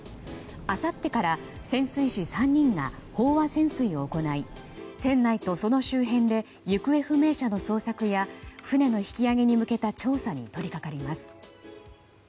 あさってから潜水士３人が飽和潜水を行い船内とその周辺で行方不明者の捜索や船の引き揚げに向けた調査に取り掛かります。